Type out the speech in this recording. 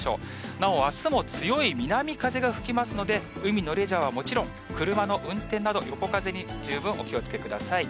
なお、あすも強い南風が吹きますので、海のレジャーはもちろん、車の運転など、横風に十分お気をつけください。